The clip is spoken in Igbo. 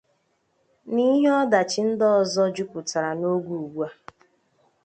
na ihe ọdachi ndị ọzọ jupụtara n'oge ugbua.